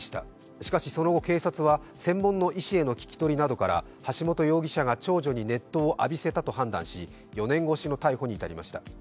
しかしその後、警察は専門の医師への聞き取りなどから橋本容疑者が長女に熱湯を浴びせたと判断し４年越しの逮捕に至りました。